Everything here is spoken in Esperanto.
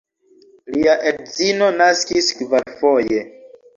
Lia edzino naskis kvarfoje.